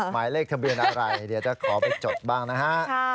หมายเลขทะเบียนอะไรเดี๋ยวจะขอไปจดบ้างนะฮะ